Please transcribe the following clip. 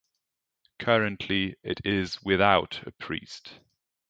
Currently it is without a priest.